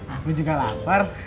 aku juga lapar